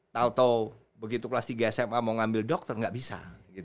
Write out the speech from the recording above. tau tau begitu kelas tiga sma mau ngambil dokter nggak bisa